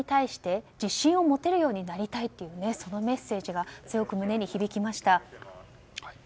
将来に、平和に対して自信を持てるようになりたいというメッセージが強く胸に響きました。